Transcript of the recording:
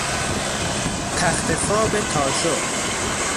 تختخواب تاشو